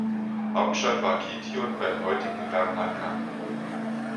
Hauptstadt war Kition beim heutigen Larnaka.